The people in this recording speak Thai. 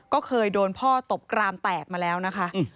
ก็เคยโดนพ่อตบกรามแตกมาแล้วนะคะ